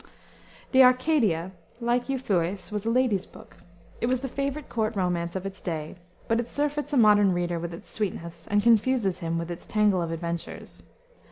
The Arcadia, like Euphues, was a lady's book. It was the favorite court romance of its day, but it surfeits a modern reader with its sweetness, and confuses him with its tangle of adventures.